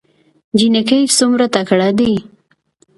جينکۍ څومره تکړه دي